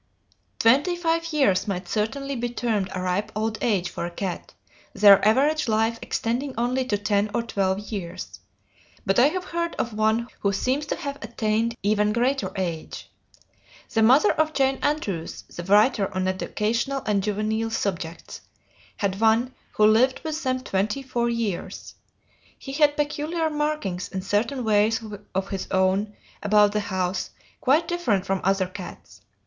Twenty five years might certainly be termed a ripe old age for a cat, their average life extending only to ten or twelve years. But I have heard of one who seems to have attained even greater age. The mother of Jane Andrews, the writer on educational and juvenile subjects, had one who lived with them twenty four years. He had peculiar markings and certain ways of his own about the house quite different from other cats.